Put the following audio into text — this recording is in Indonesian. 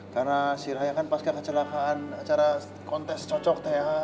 karena si raya kan pas kekecelakaan acara kontes cocok teh ya